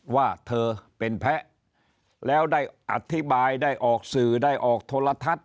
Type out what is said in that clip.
ว่าเธอเป็นแพ้แล้วได้อธิบายได้ออกสื่อได้ออกโทรทัศน์